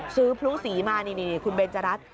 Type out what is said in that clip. ซื้อผู้สีมานี่นี่คุณเบนจรัส